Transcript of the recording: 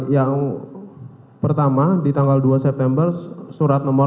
yang pertama di tanggal dua september surat nomor r enam ratus lima puluh tiga